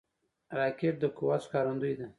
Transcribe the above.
راکټ د قوت ښکارندوی ده